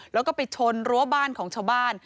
แล้วก็ไปชนรั้วบ้านของชาวบ้าน